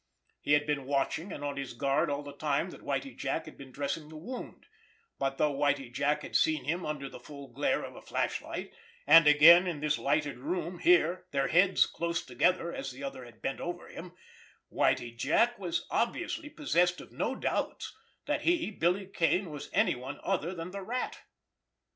He had been watching and on his guard all the time that Whitie Jack had been dressing his wound, but though Whitie Jack had seen him under the full glare of a flashlight, and again in this lighted room here, their heads close together as the other had bent over him, Whitie Jack was obviously possessed of no doubts that he, Billy Kane, was anyone other than the Rat!